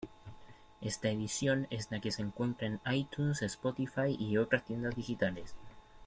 Esta edición es la que se encuentra en iTunes, Spotify, y otras tiendas digitales.